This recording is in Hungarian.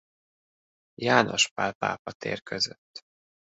János Pál pápa tér között.